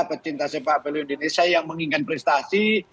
pecinta sepak beli indonesia yang mengingat prestasi